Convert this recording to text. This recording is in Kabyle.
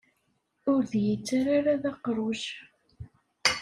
Ur d iyi-ttarra ara d aqruj.